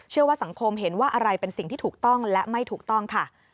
ว่าสังคมเห็นว่าอะไรเป็นสิ่งที่ถูกต้องและไม่ถูกต้องค่ะ